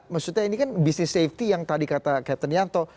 maksudnya ini kan bisnis safety yang tadi kata captain yanto